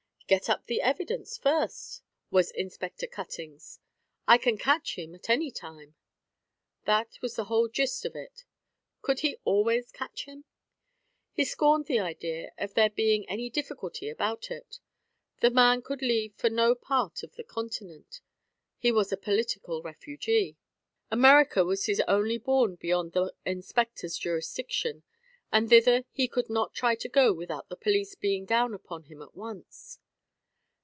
"Get up the evidence first," was Inspector Cutting's, "I can catch him at any time." That was the whole gist of it. Could he always catch him? He scorned the idea of there being any difficulty about it. The man could leave for no part of the Continent; he was a political refugee. America was his only bourne beyond the Inspector's jurisdiction. And thither he could not try to go without the Police being down upon him at once.